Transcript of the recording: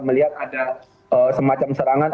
melihat ada semacam serangan